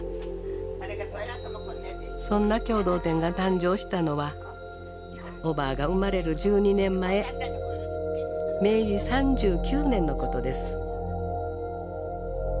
そんな共同店が誕生したのはおばぁが生まれる１２年前明治３９年のことです。